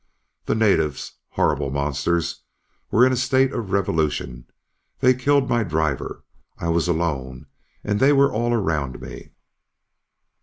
The natives, horrible monsters, were in a state of revolution ... they killed my driver. I was alone and they were all around me..."